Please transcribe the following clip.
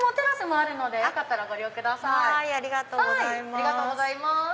ありがとうございます。